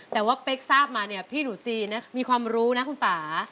แต่ว่าเป๊กทราบมาเนี่ยพี่หนูตีนะมีความรู้นะคุณป่า